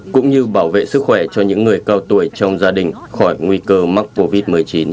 cũng như bảo vệ sức khỏe cho những người cao tuổi trong gia đình khỏi nguy cơ mắc covid một mươi chín